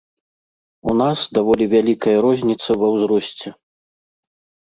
У нас даволі вялікая розніца ва ўзросце.